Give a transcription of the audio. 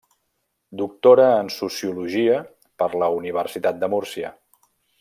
Doctora de sociologia per la Universitat de Múrcia.